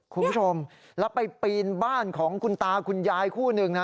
คุณผู้ชมแล้วไปปีนบ้านของคุณตาคุณยายคู่หนึ่งนะ